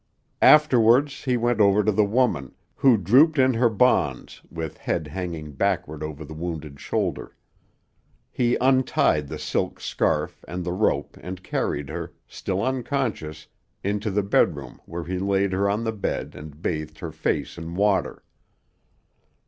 Afterwards he went over to the woman, who drooped in her bonds with head hanging backward over the wounded shoulder. He untied the silk scarf and the rope and carried her, still unconscious, into the bedroom where he laid her on the bed and bathed her face in water.